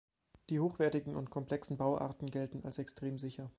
Die hochwertigen und komplexen Bauarten gelten als extrem sicher.